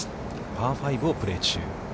パー５をプレー中。